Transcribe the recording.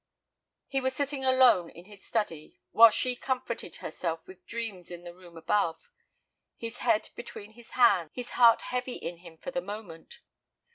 He was sitting alone in his study while she comforted herself with dreams in the room above, his head between his hands, his heart heavy in him for the moment.